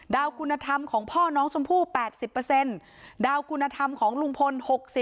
คุณธรรมของพ่อน้องชมพู่๘๐ดาวคุณธรรมของลุงพล๖๐